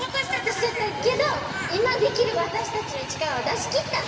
おとしちゃったけどいまできるわたしたちのちからはだしきったね。